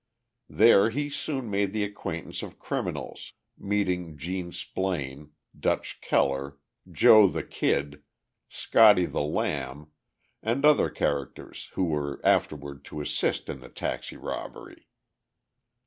There he soon made the acquaintance of criminals, meeting Gene Splaine, "Dutch" Keller, "Joe the Kid," "Scotty the Lamb" and other characters who were afterward to assist in the taxi robbery.